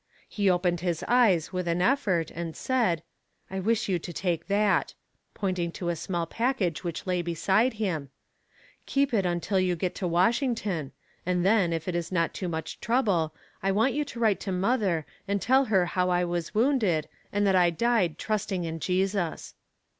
He opened his eyes, with an effort, and said, "I wish you to take that," pointing to a small package which lay beside him, "keep it until you get to Washington, and then, if it is not too much trouble, I want you to write to mother and tell her how I was wounded, and that I died trusting in Jesus."